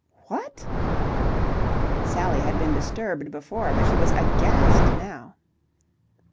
"What!" Sally had been disturbed before, but she was aghast now.